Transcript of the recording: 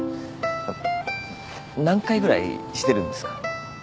あっ何回ぐらいしてるんですか？